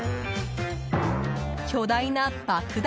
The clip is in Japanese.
巨大な爆弾